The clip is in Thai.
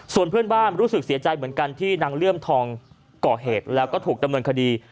ส่วนเพื่อนบ้านรู้สึกเสียใจเหมือนกันที่นางเลื่อมทองก่อเหตุแล้วก็ถูกดำเนินคดี